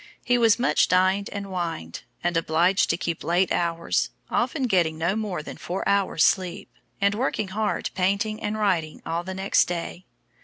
He was much dined and wined, and obliged to keep late hours often getting no more than four hours sleep, and working hard painting and writing all the next day.